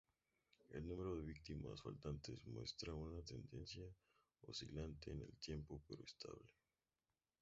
El número de víctimas fatales muestra una tendencia oscilante en el tiempo, pero estable.